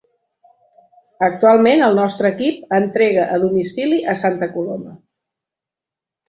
Actualment el nostre equip entrega a domicili a Santa Coloma.